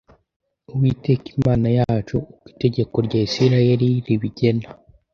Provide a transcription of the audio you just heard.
Uwiteka Imana yacu uko itegeko rya Isirayeli ribigena